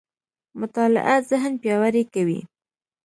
مطالعه ذهن پياوړی کوي.